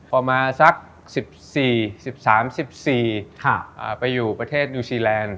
ประมาณสัก๑๔๑๓๑๔ไปอยู่ประเทศนิวซีแลนด์